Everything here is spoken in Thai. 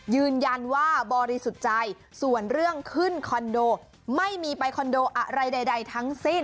ยืนยันว่าบริสุทธิ์ใจส่วนเรื่องขึ้นคอนโดไม่มีไปคอนโดอะไรใดทั้งสิ้น